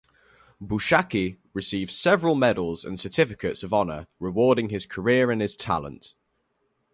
Boushaki received several medals and certificates of honor rewarding his career and his talent.